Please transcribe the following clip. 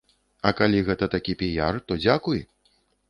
А калі гэта такі піяр, то дзякуй!